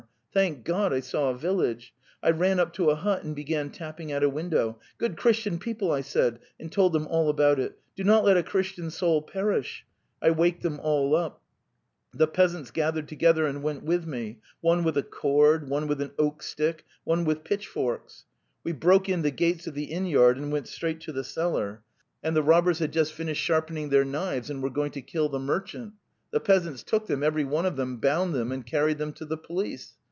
Thank God I saw a village. I ran up to a hut and began tapping at a window. 'Good Christian people,' I said, and told them all about it, 'do not let a 'Christian soul perish. .././2), 2!) waked): them)all pepsi ine peasants gathered together and went with me, ... one with a cord, one with an oakstick, others with pitchforks. ... We broke in the gates of the inn yard and went straight to the cellar. ... And the 250 The Tales of Chekhov robbers had just finished sharpening their knives and were going to kill the merchant. The peasants took them, every one of them, bound them and carried them to the police.